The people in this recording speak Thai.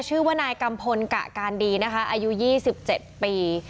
ชื่อว่านายกำพลแตะการดีอายุ๒๗ปี